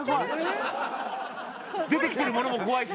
「出てきてるものも怖いし何？